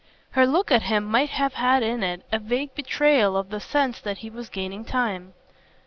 Her look at him might have had in it a vague betrayal of the sense that he was gaining time.